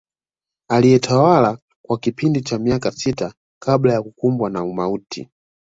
Aliyetawala kwa kipindi cha miaka sita kabla ya kukumbwa na umauti